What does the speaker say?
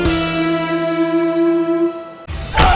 mereka bisa berdua